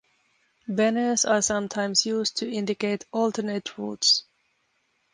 Banners are sometimes used to indicate alternate routes.